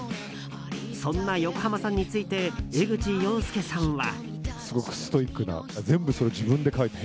そんな横浜さんについて江口洋介さんは。